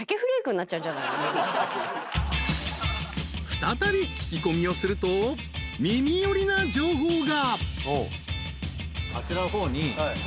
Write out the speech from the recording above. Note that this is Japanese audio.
［再び聞き込みをすると耳寄りな情報が］